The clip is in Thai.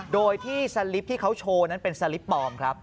โดยที่สลิปที่เขาโชว์นั้นเป็นสลิปปลอมครับ